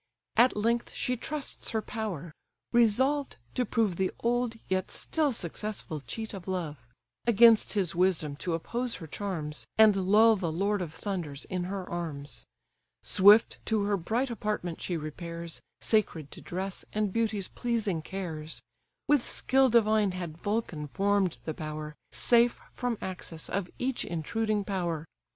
At length she trusts her power; resolved to prove The old, yet still successful, cheat of love; Against his wisdom to oppose her charms, And lull the lord of thunders in her arms. Swift to her bright apartment she repairs, Sacred to dress and beauty's pleasing cares: With skill divine had Vulcan form'd the bower, Safe from access of each intruding power.